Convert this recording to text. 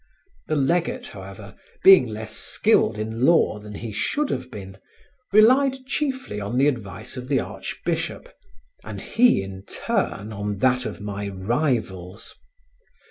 The legate, however, being less skilled in law than he should have been, relied chiefly on the advice of the archbishop, and he, in turn, on that of my rivals.